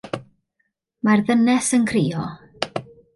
Mae'r ddynes yn crio.